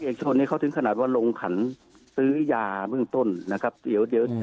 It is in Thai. เอกชนนี้เขาถึงขนาดว่าลงขันซื้อยาเบื้องต้นนะครับเดี๋ยวเดี๋ยว